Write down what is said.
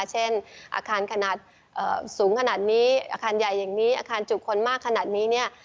เช่นอาคารขนาดสูงขนาดนี้อาคารใหญ่อย่างนี้อาคารจุบคนมากขนาดนี้เนี่ย